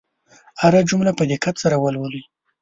هره جمله په دقت سره لولئ.